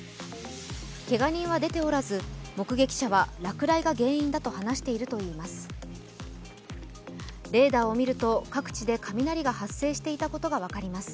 けが人は出ておらず目撃者は、落雷が原因だと話しているといいます。